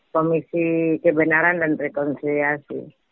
komisi kebenaran dan rekonsiliasi